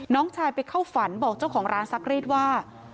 น้องชายไปเข้าฝันบอกเจ้าของร้านซักรีดว่า